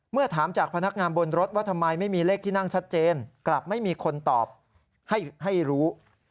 ถามจากพนักงานบนรถว่าทำไมไม่มีเลขที่นั่งชัดเจนกลับไม่มีคนตอบให้รู้